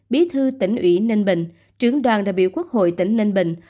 bí thư tỉnh ủy ninh bình trưởng đoàn đại biểu quốc hội tỉnh ninh bình